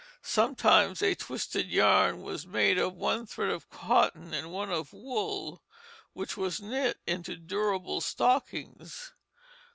Sometimes a twisted yarn was made of one thread of cotton and one of wool which was knit into durable stockings.